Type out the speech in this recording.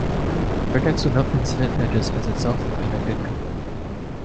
A vertex with no incident edges is itself a connected component.